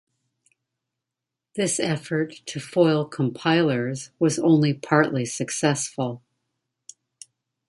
This effort to foil compilers was only partly successful.